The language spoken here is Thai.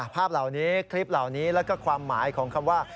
ภาพเหล่านี้คลิปเหล่านี้แล้วก็ความหมายของคำว่า